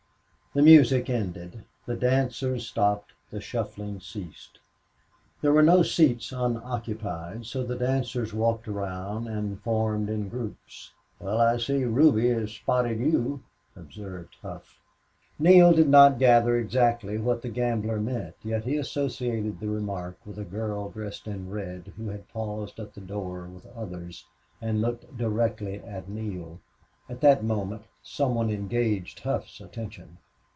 The music ended, the dancers stopped, the shuffling ceased. There were no seats unoccupied, so the dancers walked around or formed in groups. "Well, I see Ruby has spotted you," observed Hough. Neale did not gather exactly what the gambler meant, yet he associated the remark with a girl dressed in red who had paused at the door with others and looked directly at Neale. At that moment some one engaged Hough's attention.